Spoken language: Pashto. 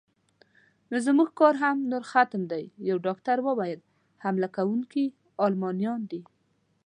نو زموږ کار هم نور ختم دی، یو ډاکټر وویل: حمله کوونکي المانیان دي.